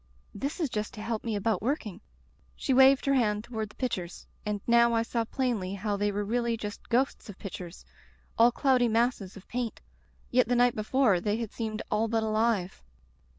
'This is just to help me about working.' She waved her hand toward the pictures, and now I saw plainly how they were really just ghosts of pictures — ^all cloudy masses of paint. Yet the night before they had seemed all but alive.